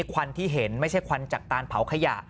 ควันที่เห็นไม่ใช่ควันจากตานเผาขยะ